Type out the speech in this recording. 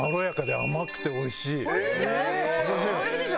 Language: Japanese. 美味しいでしょ？